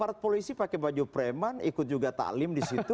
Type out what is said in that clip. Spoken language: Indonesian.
ada polisi pakai baju preman ikut juga taklim di situ